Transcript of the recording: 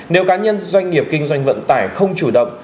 nếu cá nhân doanh nghiệp kinh doanh vận tải không chủ động